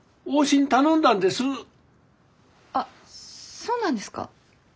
あっそうなんですか。